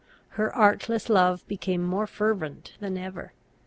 Her artless love became more fervent than ever.